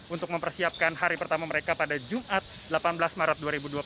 untuk mempersiapkan hari pertama mereka pada jumat delapan belas maret dua ribu dua puluh